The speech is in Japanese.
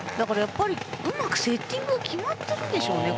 うまくセッティングが決まってるんでしょうね。